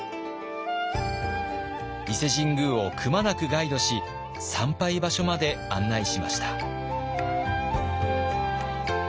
伊勢神宮をくまなくガイドし参拝場所まで案内しました。